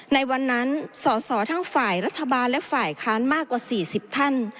ในวันนั้นสอสอทั้งฝ่ายรัฐบาลและฝ่ายค้านมากกว่า๔๐ท่าน